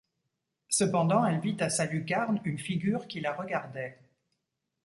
Cependant elle vit à sa lucarne une figure qui la regardait.